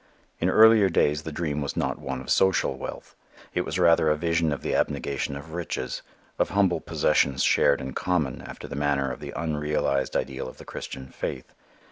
In earlier days the dream was not one of social wealth. It was rather a vision of the abnegation of riches, of humble possessions shared in common after the manner of the unrealized ideal of the Christian faith.